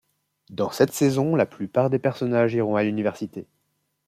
Dans cette saison, la plupart des personnages iront à l'université.